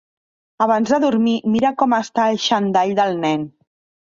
Abans de dormir, mira com està el xandall del nen.